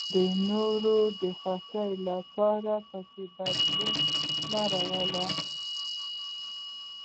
د نورو د خوښولو لپاره پکې بدلون مه راولئ.